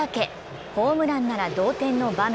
ホームランなら同点の場面。